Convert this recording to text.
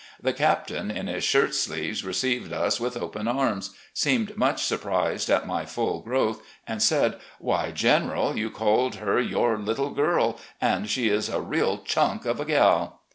The Captain, in his shirt sleeves, received us with open arms, seemed much stuprised at my full growth, and said, 'Why, General, you called her your 'little girl,' and she is a real chunk of a gal